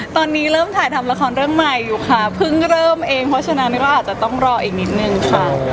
ตอนนี้เริ่มถ่ายทำละครเรื่องใหม่อยู่ค่ะเพิ่งเริ่มเองเพราะฉะนั้นว่าอาจจะต้องรออีกนิดนึงค่ะ